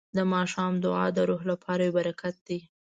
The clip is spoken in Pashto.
د ماښام دعاګانې د روح لپاره یو برکت دی.